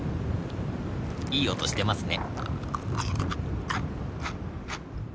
いい音してますね。